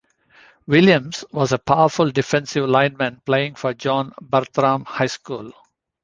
Williams, was a powerful defensive lineman playing for John Bartram High School.